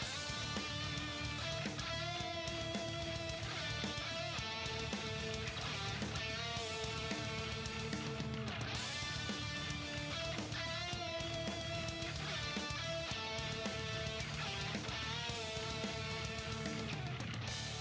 สุดท้ายสุดท้ายสุดท้ายสุดท้ายสุดท้าย